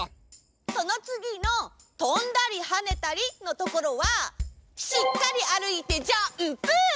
そのつぎの「とんだりはねたり」のところはしっかりあるいてジャンプ！